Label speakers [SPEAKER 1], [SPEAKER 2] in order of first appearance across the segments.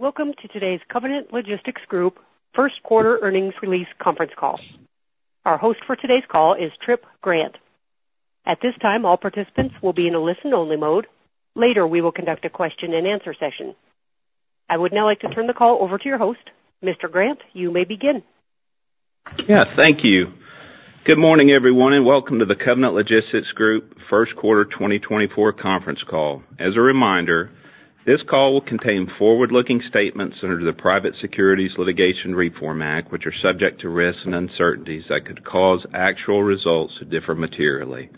[SPEAKER 1] Welcome to today's Covenant Logistics Group first-quarter earnings release conference call. Our host for today's call is Tripp Grant. At this time, all participants will be in a listen-only mode. Later, we will conduct a question-and-answer session. I would now like to turn the call over to your host. Mr. Grant, you may begin.
[SPEAKER 2] Yeah, thank you. Good morning, everyone, and welcome to the Covenant Logistics Group first quarter 2024 conference call. As a reminder, this call will contain forward-looking statements under the Private Securities Litigation Reform Act, which are subject to risks and uncertainties that could cause actual results to differ materially.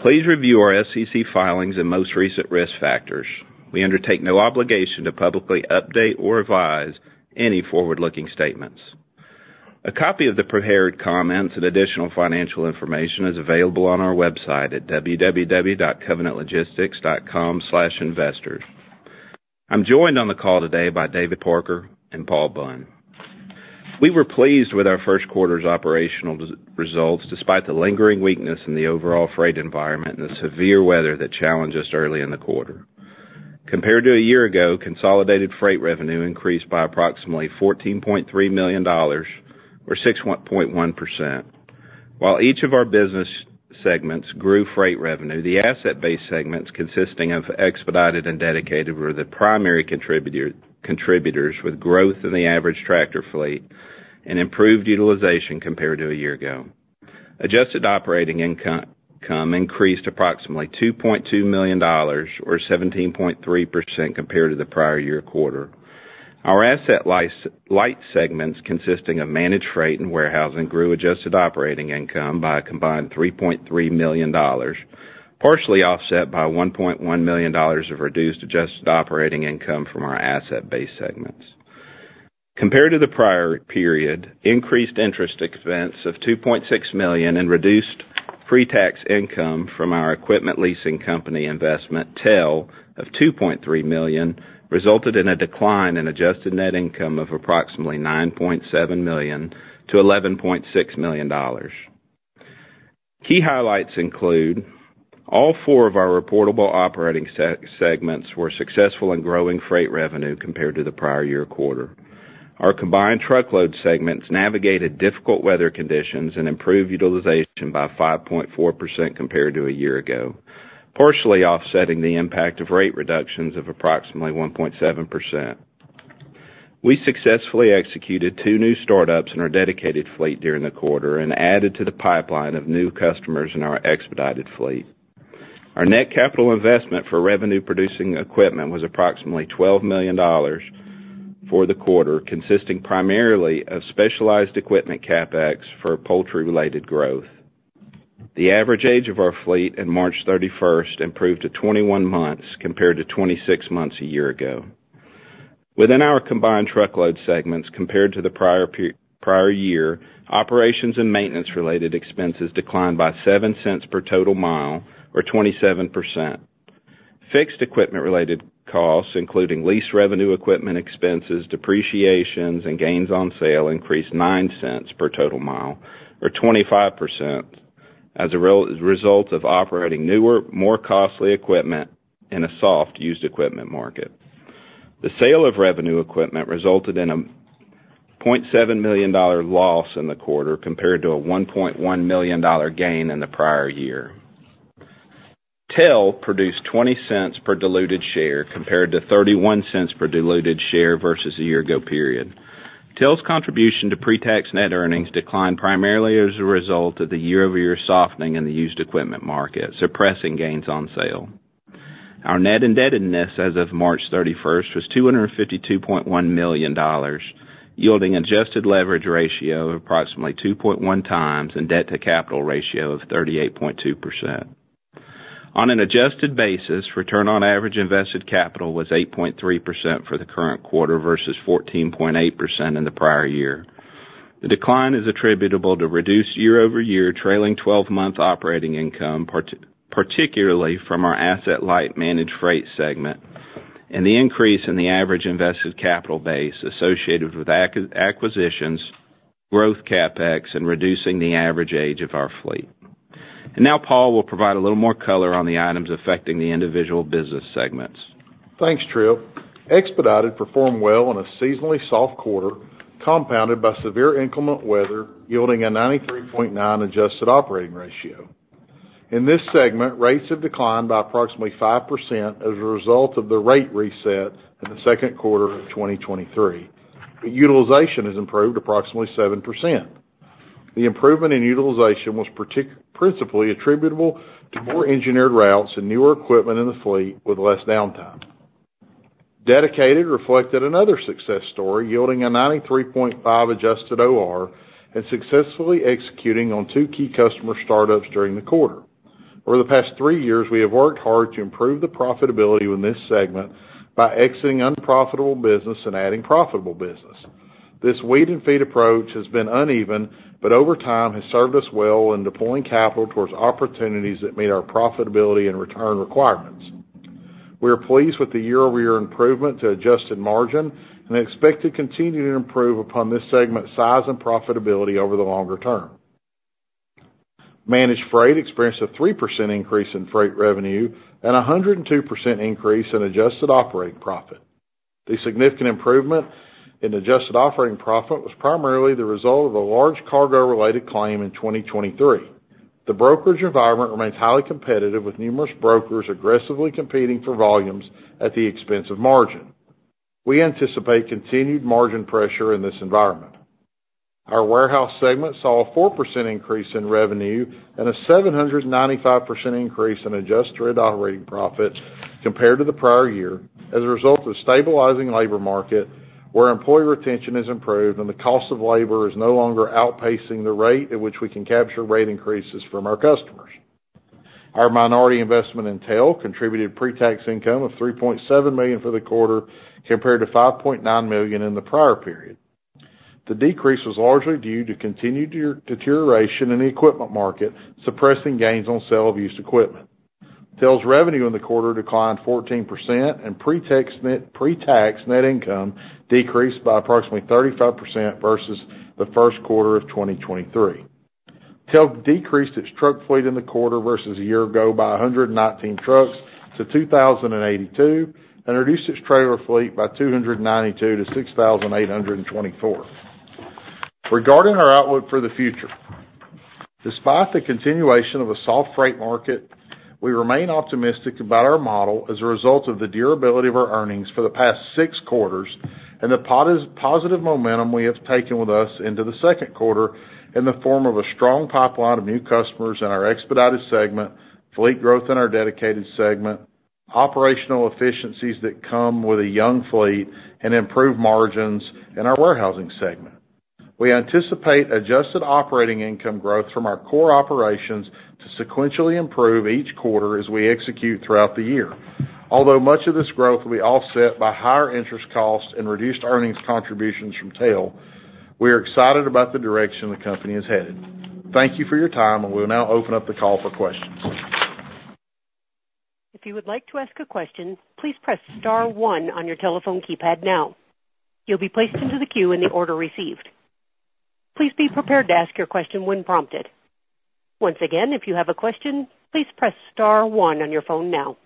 [SPEAKER 2] Please review our SEC filings and most recent risk factors. We undertake no obligation to publicly update or revise any forward-looking statements. A copy of the prepared comments and additional financial information is available on our website at www.covenantlogistics.com/investors. I'm joined on the call today by David Parker and Paul Bunn. We were pleased with our first quarter's operational results despite the lingering weakness in the overall freight environment and the severe weather that challenged us early in the quarter. Compared to a year ago, consolidated freight revenue increased by approximately $14.3 million or 6.1%. While each of our business segments grew freight revenue, the asset-based segments consisting of Expedited and Dedicated were the primary contributors with growth in the average tractor fleet and improved utilization compared to a year ago. Adjusted operating income increased approximately $2.2 million or 17.3% compared to the prior year quarter. Our asset-light segments consisting of Managed Freight and Warehousing grew adjusted operating income by a combined $3.3 million, partially offset by $1.1 million of reduced adjusted operating income from our asset-based segments. Compared to the prior period, increased interest expense of $2.6 million and reduced pre-tax income from our equipment leasing company investment, TEL, of $2.3 million resulted in a decline in adjusted net income of approximately $9.7 million to $11.6 million. Key highlights include: all four of our reportable operating segments were successful in growing freight revenue compared to the prior year quarter. Our combined truckload segments navigated difficult weather conditions and improved utilization by 5.4% compared to a year ago, partially offsetting the impact of rate reductions of approximately 1.7%. We successfully executed two new startups in our Dedicated fleet during the quarter and added to the pipeline of new customers in our expedited fleet. Our net capital investment for revenue-producing equipment was approximately $12 million for the quarter, consisting primarily of specialized equipment CapEx for poultry-related growth. The average age of our fleet on March 31st improved to 21 months compared to 26 months a year ago. Within our combined truckload segments, compared to the prior year, operations and maintenance-related expenses declined by $0.07 per total mile or 27%. Fixed equipment-related costs, including lease revenue equipment expenses, depreciations, and gains on sale, increased $0.09 per total mile or 25% as a result of operating newer, more costly equipment in a soft-used equipment market. The sale of revenue equipment resulted in a $0.7 million loss in the quarter compared to a $1.1 million gain in the prior year. TEL produced $0.20 per diluted share compared to $0.31 per diluted share versus the year-ago period. TEL's contribution to pre-tax net earnings declined primarily as a result of the year-over-year softening in the used equipment market, suppressing gains on sale. Our net indebtedness as of March 31st was $252.1 million, yielding an adjusted leverage ratio of approximately 2.1x and debt-to-capital ratio of 38.2%. On an adjusted basis, return on average invested capital was 8.3% for the current quarter versus 14.8% in the prior year. The decline is attributable to reduced year-over-year trailing 12-month operating income, particularly from our asset-light Managed Freight segment, and the increase in the average invested capital base associated with acquisitions, growth CapEx, and reducing the average age of our fleet. Now Paul will provide a little more color on the items affecting the individual business segments.
[SPEAKER 3] Thanks, Tripp. Expedited performed well in a seasonally soft quarter compounded by severe inclement weather, yielding a 93.9% adjusted operating ratio. In this segment, rates have declined by approximately 5% as a result of the rate reset in the second quarter of 2023, but utilization has improved approximately 7%. The improvement in utilization was principally attributable to more engineered routes and newer equipment in the fleet with less downtime. Dedicated reflected another success story, yielding a 93.5% adjusted OR and successfully executing on two key customer startups during the quarter. Over the past three years, we have worked hard to improve the profitability in this segment by exiting unprofitable business and adding profitable business. This weed-and-feed approach has been uneven but over time has served us well in deploying capital towards opportunities that meet our profitability and return requirements. We are pleased with the year-over-year improvement to adjusted margin and expect to continue to improve upon this segment's size and profitability over the longer term. Managed Freight experienced a 3% increase in freight revenue and a 102% increase in adjusted operating profit. The significant improvement in adjusted operating profit was primarily the result of a large cargo-related claim in 2023. The brokerage environment remains highly competitive, with numerous brokers aggressively competing for volumes at the expense of margin. We anticipate continued margin pressure in this environment. Our Warehouse segment saw a 4% increase in revenue and a 795% increase in adjusted operating profit compared to the prior year as a result of stabilizing labor market, where employee retention has improved and the cost of labor is no longer outpacing the rate at which we can capture rate increases from our customers. Our minority investment in TEL contributed pre-tax income of $3.7 million for the quarter compared to $5.9 million in the prior period. The decrease was largely due to continued deterioration in the equipment market, suppressing gains on sale of used equipment. TEL's revenue in the quarter declined 14%, and pre-tax net income decreased by approximately 35% versus the first quarter of 2023. TEL decreased its truck fleet in the quarter versus a year ago by 119 trucks to 2,082 and reduced its trailer fleet by 292 to 6,824. Regarding our outlook for the future: despite the continuation of a soft freight market, we remain optimistic about our model as a result of the durability of our earnings for the past six quarters and the positive momentum we have taken with us into the second quarter in the form of a strong pipeline of new customers in our Expedited segment, fleet growth in our Dedicated segment, operational efficiencies that come with a young fleet, and improved margins in our Warehousing segment. We anticipate adjusted operating income growth from our core operations to sequentially improve each quarter as we execute throughout the year. Although much of this growth will be offset by higher interest costs and reduced earnings contributions from TEL, we are excited about the direction the company is headed. Thank you for your time, and we will now open up the call for questions.
[SPEAKER 1] If you would like to ask a question, please press star one on your telephone keypad now. You'll be placed into the queue in the order received. Please be prepared to ask your question when prompted. Once again, if you have a question, please press star one on your phone now.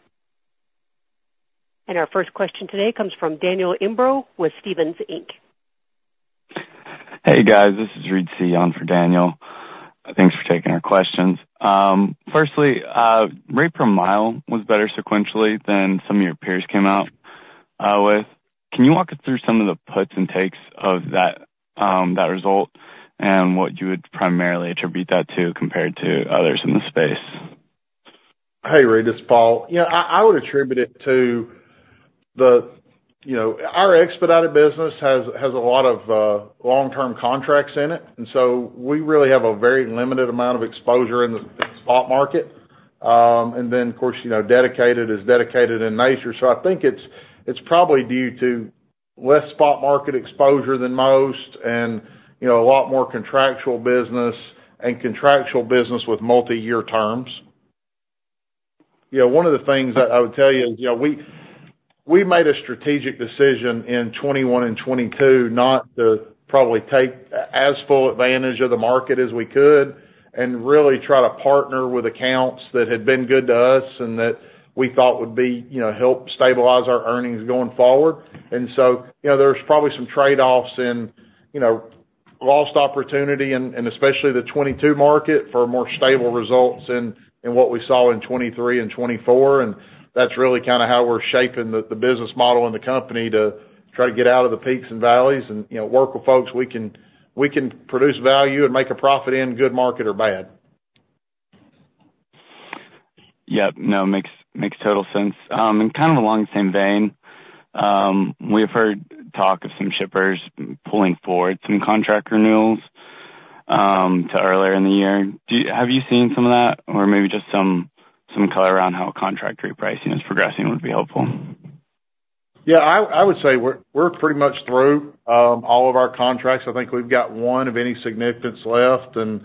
[SPEAKER 1] Our first question today comes from Daniel Imbro with Stephens Inc.
[SPEAKER 4] Hey, guys. This is Reed Seay for Daniel. Thanks for taking our questions. Firstly, rate per mile was better sequentially than some of your peers came out with. Can you walk us through some of the puts and takes of that result and what you would primarily attribute that to compared to others in the space?
[SPEAKER 3] Hey, Reed. It's Paul. I would attribute it to our Expedited business has a lot of long-term contracts in it, and so we really have a very limited amount of exposure in the spot market. And then, of course, Dedicated is Dedicated in nature. So I think it's probably due to less spot market exposure than most and a lot more contractual business and contractual business with multi-year terms. One of the things that I would tell you is we made a strategic decision in 2021 and 2022 not to probably take as full advantage of the market as we could and really try to partner with accounts that had been good to us and that we thought would help stabilize our earnings going forward. And so there's probably some trade-offs in lost opportunity, and especially the 2022 market, for more stable results than what we saw in 2023 and 2024. And that's really kind of how we're shaping the business model in the company to try to get out of the peaks and valleys and work with folks we can produce value and make a profit in good market or bad.
[SPEAKER 4] Yep. No, makes total sense. Kind of along the same vein, we have heard talk of some shippers pulling forward some contract renewals to earlier in the year. Have you seen some of that or maybe just some color around how contract repricing is progressing would be helpful?
[SPEAKER 3] Yeah, I would say we're pretty much through all of our contracts. I think we've got one of any significance left. And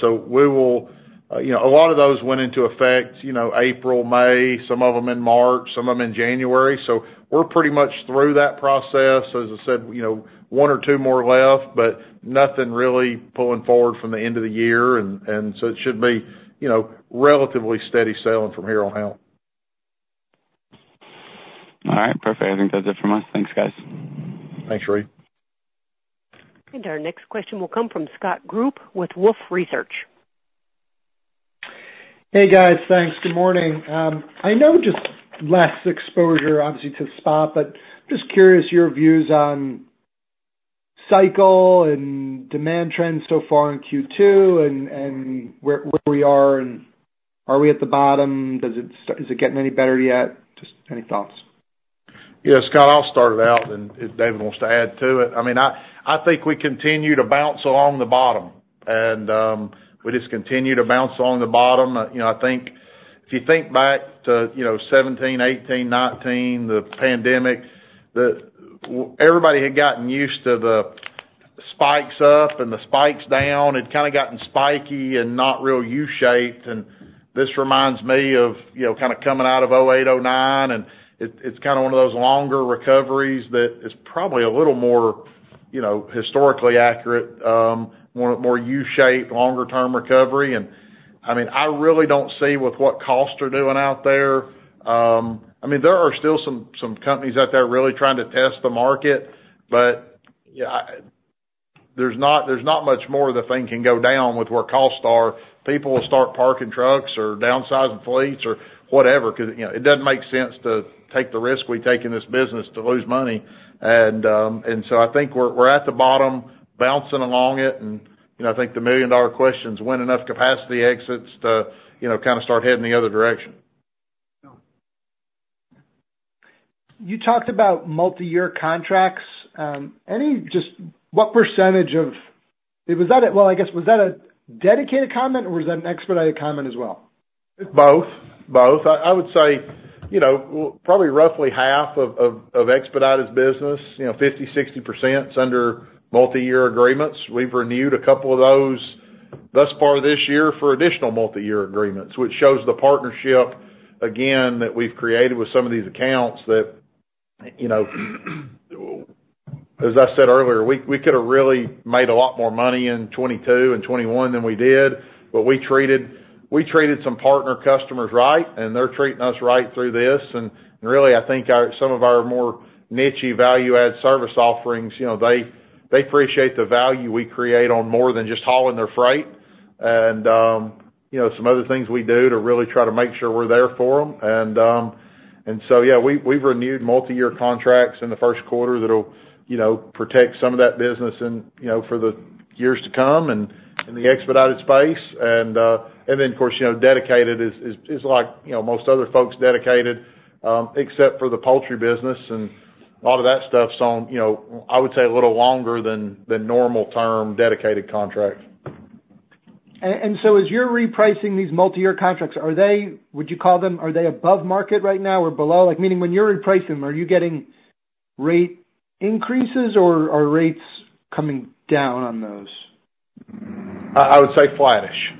[SPEAKER 3] so a lot of those went into effect April, May, some of them in March, some of them in January. So we're pretty much through that process. As I said, one or two more left, but nothing really pulling forward from the end of the year. And so it should be relatively steady sailing from here on out.
[SPEAKER 4] All right. Perfect. I think that's it from us. Thanks, guys.
[SPEAKER 3] Thanks, Reed.
[SPEAKER 1] Our next question will come from Scott Group with Wolfe Research.
[SPEAKER 5] Hey, guys. Thanks. Good morning. I know just less exposure, obviously, to spot, but just curious your views on cycle and demand trends so far in Q2 and where we are. Are we at the bottom? Is it getting any better yet? Just any thoughts.
[SPEAKER 3] Yeah, Scott, I'll start it out, and if David wants to add to it. I mean, I think we continue to bounce along the bottom, and we just continue to bounce along the bottom. I think if you think back to 2017, 2018, 2019, the pandemic, everybody had gotten used to the spikes up and the spikes down. It'd kind of gotten spiky and not real U-shaped. And this reminds me of kind of coming out of 2008, 2009. And it's kind of one of those longer recoveries that is probably a little more historically accurate, more U-shaped, longer-term recovery. And I mean, I really don't see with what costs are doing out there. I mean, there are still some companies out there really trying to test the market, but there's not much more the thing can go down with where costs are. People will start parking trucks or downsizing fleets or whatever because it doesn't make sense to take the risk we take in this business to lose money. And so I think we're at the bottom, bouncing along it. And I think the million-dollar question is when enough capacity exits to kind of start heading the other direction.
[SPEAKER 5] You talked about multi-year contracts. What percentage of that was that as well, I guess? Was that a Dedicated comment, or was that an Expedited comment as well?
[SPEAKER 3] Both. Both. I would say probably roughly half of Expedited business, 50%-60%, is under multi-year agreements. We've renewed a couple of those thus far this year for additional multi-year agreements, which shows the partnership, again, that we've created with some of these accounts that as I said earlier, we could have really made a lot more money in 2022 and 2021 than we did. But we treated some partner customers right, and they're treating us right through this. And really, I think some of our more niche value-added service offerings, they appreciate the value we create on more than just hauling their freight and some other things we do to really try to make sure we're there for them. And so, yeah, we've renewed multi-year contracts in the first quarter that'll protect some of that business for the years to come in the Expedited space. And then, of course, Dedicated is like most other folks, Dedicated, except for the poultry business and a lot of that stuff's on, I would say, a little longer than normal-term Dedicated contracts.
[SPEAKER 5] So as you're repricing these multi-year contracts, would you call them are they above market right now or below? Meaning, when you're repricing, are you getting rate increases, or are rates coming down on those?
[SPEAKER 3] I would say flattish.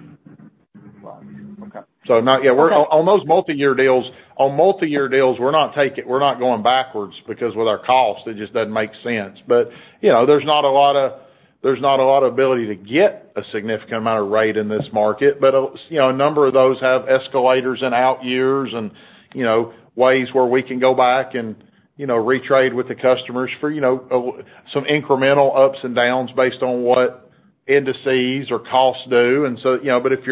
[SPEAKER 3] So yeah, on those multi-year deals, on multi-year deals, we're not taking we're not going backwards because with our costs, it just doesn't make sense. But there's not a lot of there's not a lot of ability to get a significant amount of rate in this market. But a number of those have escalators and out-years and ways where we can go back and retrade with the customers for some incremental ups and downs based on what indices or costs do. But if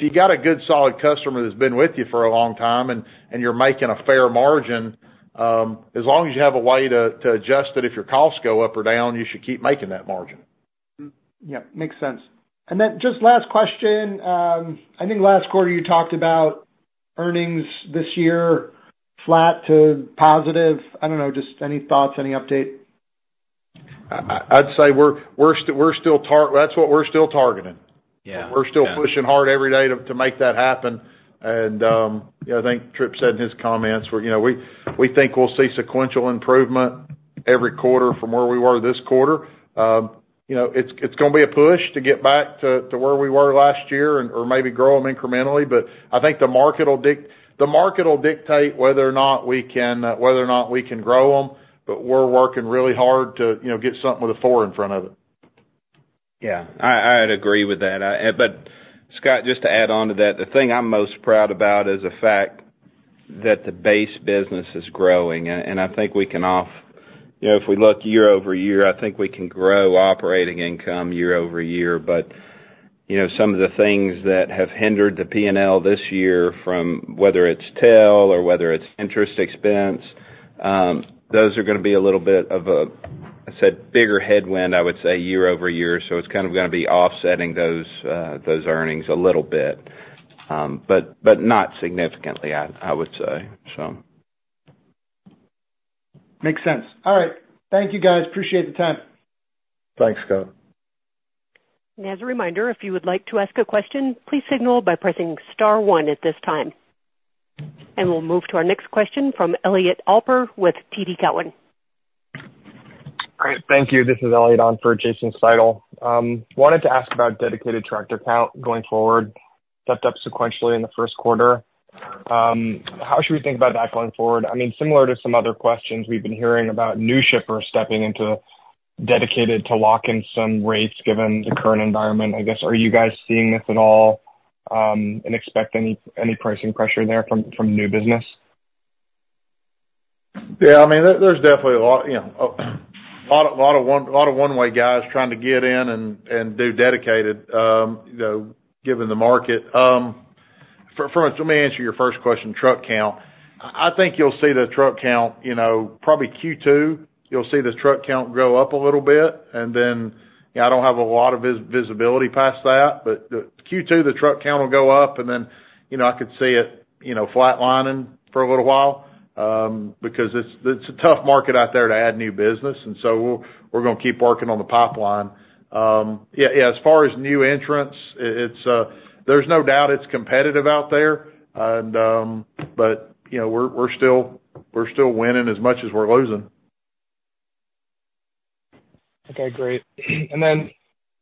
[SPEAKER 3] you've got a good, solid customer that's been with you for a long time and you're making a fair margin, as long as you have a way to adjust it, if your costs go up or down, you should keep making that margin.
[SPEAKER 5] Yeah, makes sense. And then just last question. I think last quarter, you talked about earnings this year flat to positive. I don't know, just any thoughts, any update?
[SPEAKER 6] I'd say we're still, that's what we're still targeting. We're still pushing hard every day to make that happen. And I think Tripp said in his comments where we think we'll see sequential improvement every quarter from where we were this quarter. It's going to be a push to get back to where we were last year or maybe grow them incrementally. But I think the market will dictate whether or not we can, whether or not we can grow them. But we're working really hard to get something with a four in front of it.
[SPEAKER 2] Yeah, I'd agree with that. But Scott, just to add on to that, the thing I'm most proud about is the fact that the base business is growing. And I think we can off if we look year-over-year, I think we can grow operating income year-over-year. But some of the things that have hindered the P&L this year, whether it's TEL or whether it's interest expense, those are going to be a little bit of a, I said, bigger headwind, I would say, year-over-year. So it's kind of going to be offsetting those earnings a little bit but not significantly, I would say, so.
[SPEAKER 5] Makes sense. All right. Thank you, guys. Appreciate the time.
[SPEAKER 2] Thanks, Scott.
[SPEAKER 1] As a reminder, if you would like to ask a question, please signal by pressing star one at this time. We'll move to our next question from Elliot Alper with TD Cowen.
[SPEAKER 7] Great. Thank you. This is Elliot Alper with Jason Seidel. Wanted to ask about Dedicated tractor count going forward. Stepped up sequentially in the first quarter. How should we think about that going forward? I mean, similar to some other questions we've been hearing about new shippers stepping into Dedicated to lock in some rates given the current environment, I guess, are you guys seeing this at all and expect any pricing pressure there from new business?
[SPEAKER 3] Yeah, I mean, there's definitely a lot of one-way guys trying to get in and do Dedicated given the market. Let me answer your first question, truck count. I think you'll see the truck count probably Q2, you'll see the truck count grow up a little bit. And then I don't have a lot of visibility past that. But Q2, the truck count will go up, and then I could see it flatlining for a little while because it's a tough market out there to add new business. And so we're going to keep working on the pipeline. Yeah, as far as new entrants, there's no doubt it's competitive out there. But we're still winning as much as we're losing.
[SPEAKER 7] Okay, great. And then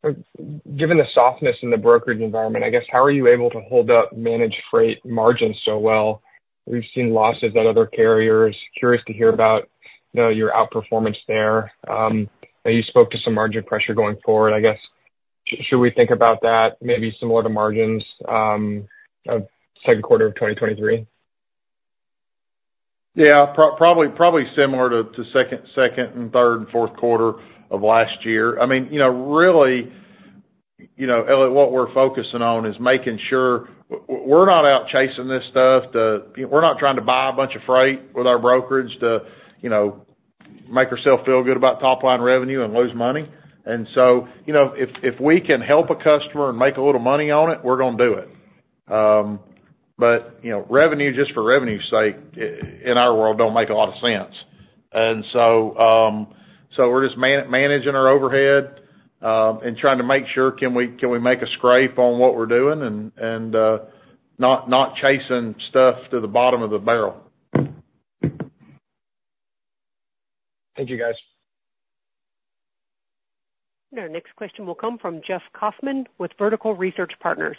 [SPEAKER 7] given the softness in the brokerage environment, I guess, how are you able to hold up Managed Freight margins so well? We've seen losses at other carriers. Curious to hear about your outperformance there. You spoke to some margin pressure going forward. I guess, should we think about that maybe similar to margins of second quarter of 2023?
[SPEAKER 3] Yeah, probably similar to second and third and fourth quarter of last year. I mean, really, Elliot, what we're focusing on is making sure we're not out chasing this stuff so we're not trying to buy a bunch of freight with our brokerage to make ourselves feel good about top-line revenue and lose money. And so if we can help a customer and make a little money on it, we're going to do it. But revenue, just for revenue's sake, in our world, don't make a lot of sense. And so we're just managing our overhead and trying to make sure, can we make a scrape on what we're doing and not chasing stuff to the bottom of the barrel?
[SPEAKER 7] Thank you, guys.
[SPEAKER 1] Now, next question will come from Jeff Kaufman with Vertical Research Partners.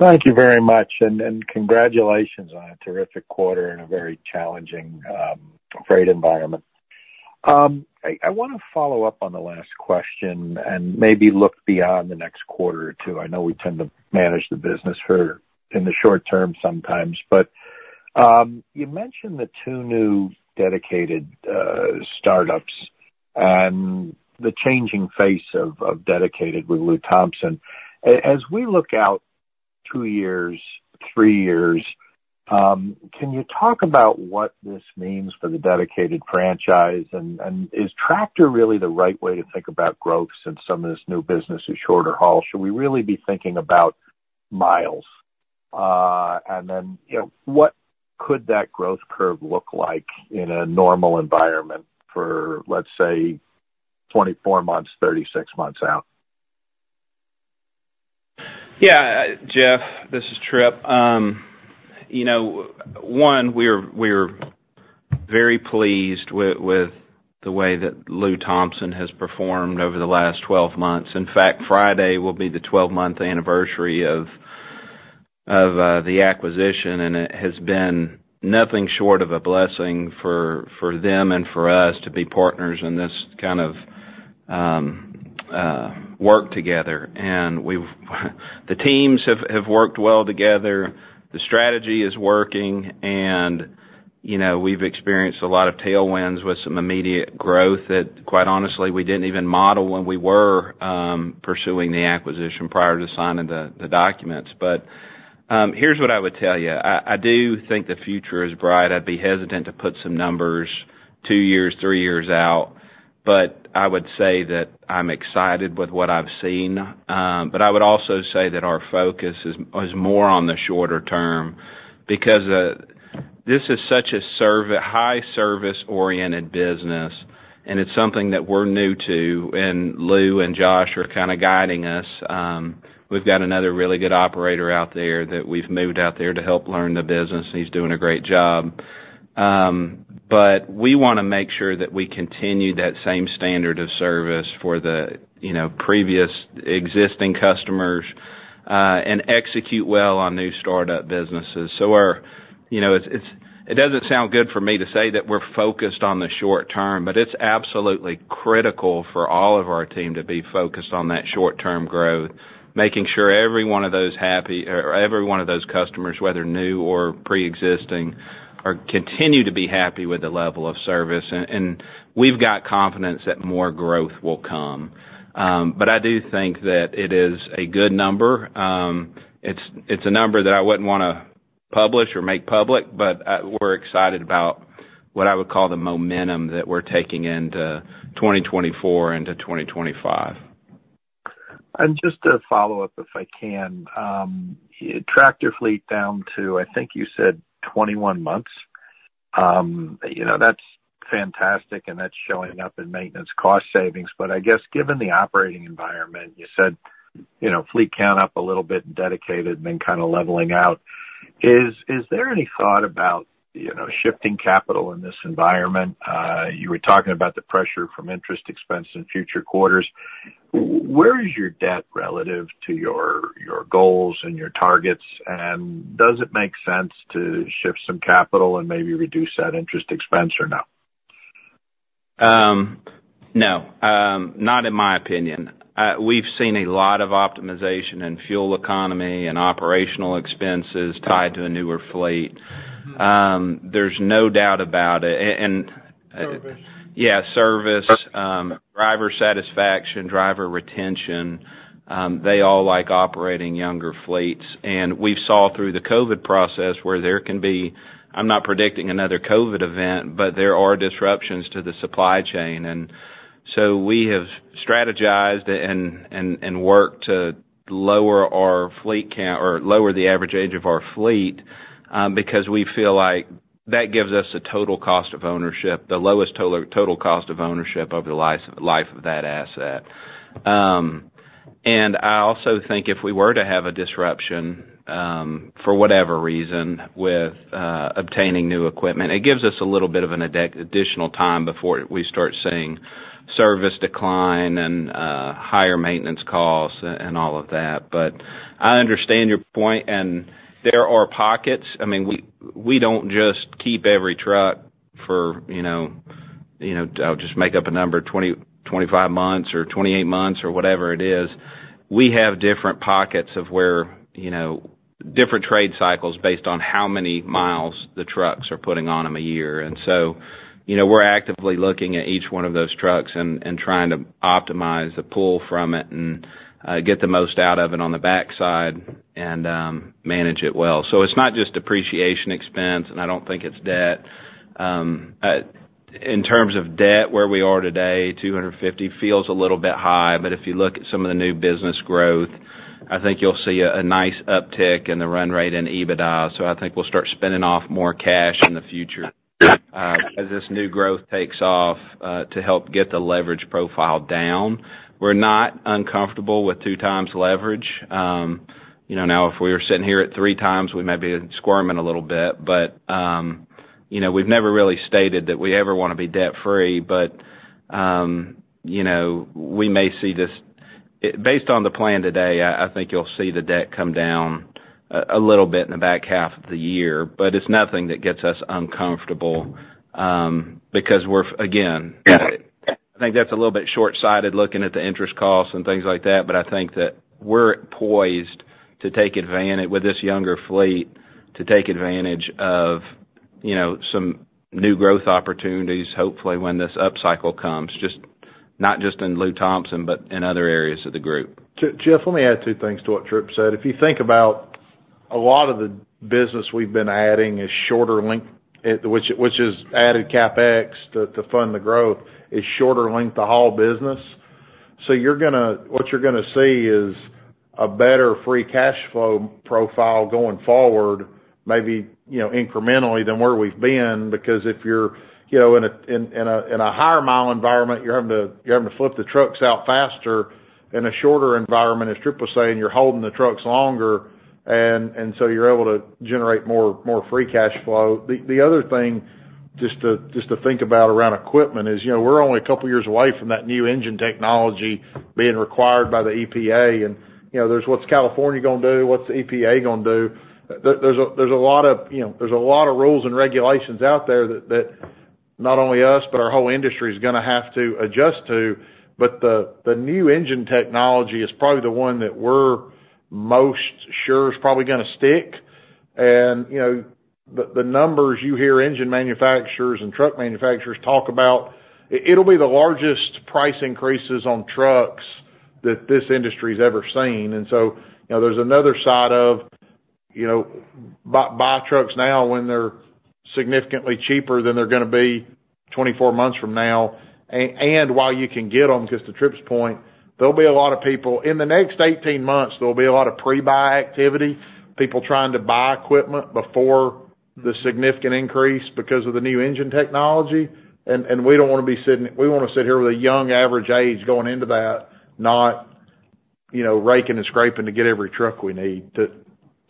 [SPEAKER 8] Thank you very much. Congratulations on a terrific quarter and a very challenging freight environment. I want to follow up on the last question and maybe look beyond the next quarter or two. I know we tend to manage the business in the short term sometimes. But you mentioned the tow new Dedicated startups and the changing face of Dedicated with Lew Thompson. As we look out two years, three years, can you talk about what this means for the Dedicated franchise? And is tractor really the right way to think about growth since some of this new business is shorter haul? Should we really be thinking about miles? And then what could that growth curve look like in a normal environment for, let's say, 24 months, 36 months out?
[SPEAKER 2] Yeah, Jeff, this is Tripp. One, we're very pleased with the way that Lew Thompson has performed over the last 12 months. In fact, Friday will be the 12-month anniversary of the acquisition, and it has been nothing short of a blessing for them and for us to be partners in this kind of work together. The teams have worked well together. The strategy is working. We've experienced a lot of tailwinds with some immediate growth that, quite honestly, we didn't even model when we were pursuing the acquisition prior to signing the documents. But here's what I would tell you. I do think the future is bright. I'd be hesitant to put some numbers two years, three years out. But I would say that I'm excited with what I've seen. But I would also say that our focus is more on the shorter term because this is such a high-service-oriented business, and it's something that we're new to. And Lou and Josh are kind of guiding us. We've got another really good operator out there that we've moved out there to help learn the business, and he's doing a great job. But we want to make sure that we continue that same standard of service for the previous existing customers and execute well on new startup businesses. So it doesn't sound good for me to say that we're focused on the short term, but it's absolutely critical for all of our team to be focused on that short-term growth, making sure every one of those happy or every one of those customers, whether new or pre-existing, continue to be happy with the level of service. We've got confidence that more growth will come. I do think that it is a good number. It's a number that I wouldn't want to publish or make public, but we're excited about what I would call the momentum that we're taking into 2024 and to 2025.
[SPEAKER 8] Just to follow up if I can, tractor fleet down to, I think you said, 21 months. That's fantastic, and that's showing up in maintenance cost savings. But I guess, given the operating environment, you said fleet count up a little bit in Dedicated and then kind of leveling out. Is there any thought about shifting capital in this environment? You were talking about the pressure from interest expense in future quarters. Where is your debt relative to your goals and your targets? And does it make sense to shift some capital and maybe reduce that interest expense or no?
[SPEAKER 2] No, not in my opinion. We've seen a lot of optimization in fuel economy and operational expenses tied to a newer fleet. There's no doubt about it. And yeah, service, driver satisfaction, driver retention, they all like operating younger fleets. And we've saw through the COVID process where there can be, I'm not predicting another COVID event, but there are disruptions to the supply chain. And so we have strategized and worked to lower our fleet count or lower the average age of our fleet because we feel like that gives us a total cost of ownership, the lowest total cost of ownership over the life of that asset. I also think if we were to have a disruption for whatever reason with obtaining new equipment, it gives us a little bit of an additional time before we start seeing service decline and higher maintenance costs and all of that. But I understand your point, and there are pockets. I mean, we don't just keep every truck for I'll just make up a number, 25 months or 28 months or whatever it is. We have different pockets of where different trade cycles based on how many miles the trucks are putting on them a year. And so we're actively looking at each one of those trucks and trying to optimize the pull from it and get the most out of it on the backside and manage it well. So it's not just depreciation expense, and I don't think it's debt. In terms of debt, where we are today, $250 million feels a little bit high. But if you look at some of the new business growth, I think you'll see a nice uptick in the run rate and EBITDA. So I think we'll start throwing off more cash in the future as this new growth takes off to help get the leverage profile down. We're not uncomfortable with 2x leverage. Now, if we were sitting here at 3x, we might be squirming a little bit. But we've never really stated that we ever want to be debt-free. But we may see this based on the plan today, I think you'll see the debt come down a little bit in the back half of the year. But it's nothing that gets us uncomfortable because we're, again, I think that's a little bit shortsighted looking at the interest costs and things like that. But I think that we're poised to take advantage with this younger fleet to take advantage of some new growth opportunities, hopefully, when this upcycle comes, not just in Lew Thompson but in other areas of the group.
[SPEAKER 6] Jeff, let me add two things to what Tripp said. If you think about a lot of the business we've been adding is shorter length, which is added CapEx to fund the growth, is shorter length to haul business. So what you're going to see is a better free cash flow profile going forward, maybe incrementally, than where we've been because if you're in a higher-mile environment, you're having to flip the trucks out faster. In a shorter environment, as Tripp was saying, you're holding the trucks longer, and so you're able to generate more free cash flow. The other thing, just to think about around equipment, is we're only a couple of years away from that new engine technology being required by the EPA. And there's what's California going to do? What's the EPA going to do? There's a lot of rules and regulations out there that not only us but our whole industry is going to have to adjust to. But the new engine technology is probably the one that we're most sure is probably going to stick. And the numbers you hear engine manufacturers and truck manufacturers talk about, it'll be the largest price increases on trucks that this industry's ever seen. And so there's another side of buy trucks now when they're significantly cheaper than they're going to be 24 months from now. And while you can get them because to Tripp's point, there'll be a lot of people in the next 18 months, there'll be a lot of pre-buy activity, people trying to buy equipment before the significant increase because of the new engine technology. And we don't want to be sitting, we want to sit here with a young average age going into that, not raking and scraping to get every truck we need.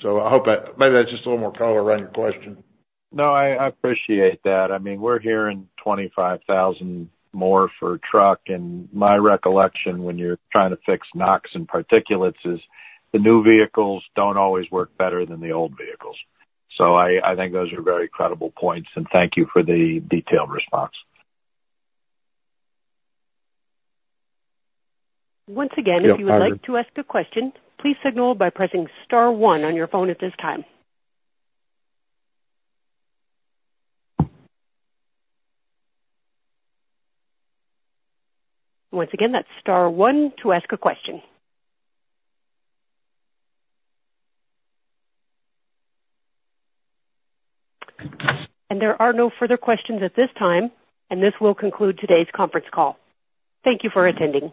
[SPEAKER 6] So maybe that's just a little more color around your question.
[SPEAKER 8] No, I appreciate that. I mean, we're hearing 25,000 more for truck. And my recollection when you're trying to fix NOx and particulates is the new vehicles don't always work better than the old vehicles. So I think those are very credible points. And thank you for the detailed response.
[SPEAKER 1] Once again, if you would like to ask a question, please signal by pressing star one on your phone at this time. Once again, that's star one to ask a question. And there are no further questions at this time. And this will conclude today's conference call. Thank you for attending.